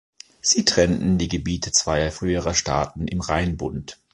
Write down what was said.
Sie trennten die Gebiete zweier früherer Staaten im Rheinbund.